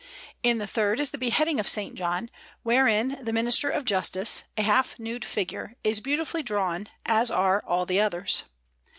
In the third is the Beheading of S. John, wherein the minister of justice, a half nude figure, is beautifully drawn, as are all the others.